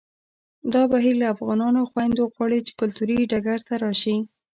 دا بهیر له افغانو خویندو غواړي چې کلتوري ډګر ته راشي